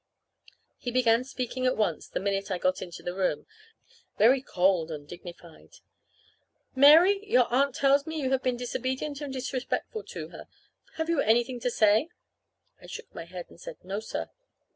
He began speaking at once, the minute I got into the room very cold and dignified. "Mary, your aunt tells me you have been disobedient and disrespectful to her. Have you anything to say?" I shook my head and said, "No, sir."